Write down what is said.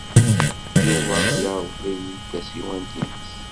Yuba yerḍel-iyi-d tasiwant-nnes.